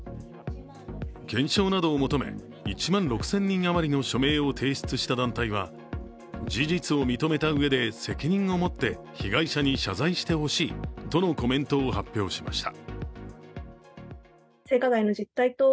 検証などを求め、１万６０００人余りの署名を提出した団体は事実を認めたうえで責任を持って被害者に謝罪してほしいとのコメントを発表しました。